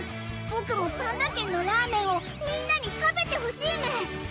ボクもぱんだ軒のラーメンをみんなに食べてほしいメン！